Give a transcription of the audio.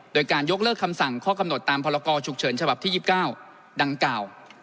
โดยการยกเลิกคำสั่งข้อกำหนดตามพรกรฉุกเฉินฉบับที่๒๙ดังกล่าว